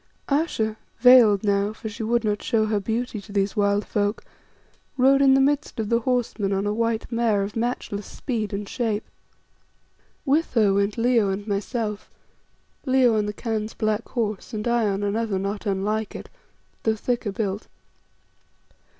Ayesha, veiled now for she would not show her beauty to these wild folk rode in the midst of the horse men on a white mare of matchless speed and shape. With her went Leo and myself, Leo on the Khan's black horse, and I on another not unlike it, though thicker built.